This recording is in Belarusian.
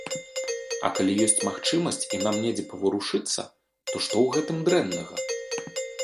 А калі ёсць магчымасць і нам недзе паварушыцца, то што ў гэтым дрэннага?